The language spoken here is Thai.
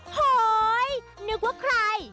โหยนึกว่าใคร